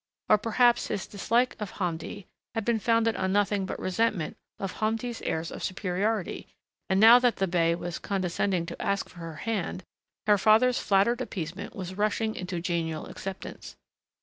Or perhaps his dislike of Hamdi had been founded on nothing but resentment of Hamdi's airs of superiority, and now that the bey was condescending to ask for her hand her father's flattered appeasement was rushing into genial acceptance.